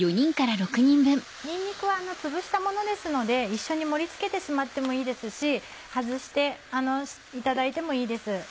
にんにくはつぶしたものですので一緒に盛り付けてしまってもいいですし外していただいてもいいです。